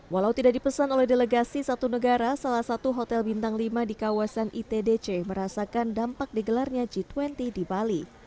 walau tidak dipesan oleh delegasi satu negara salah satu hotel bintang lima di kawasan itdc merasakan dampak digelarnya g dua puluh di bali